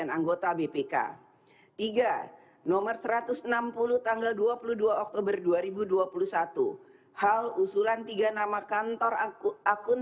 empat r lima puluh tanggal dua puluh tujuh september hal pemberhentian dan pengangkatan panglima tni